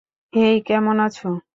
হেই, কেমন আছো?